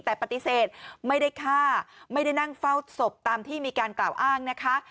แต่ปฏิเสธไม่ได้ฆ่าไม่ได้นั่งเฝ้าศพตามที่มีการกล่าวอ้างนะคะ